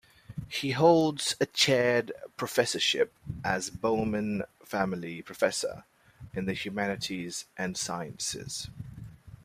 He holds a chaired professorship as Bowman Family Professor in the Humanities and Sciences.